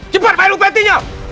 cepat bayar upatinya